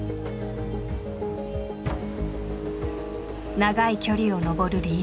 長い距離を登るリード。